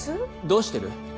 どうしてる？